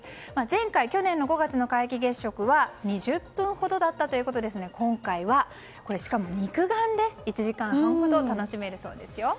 前回、去年の５月の皆既月食は２０分ほどだったということですので今回は、しかも肉眼で１時間半ほど楽しめるそうですよ。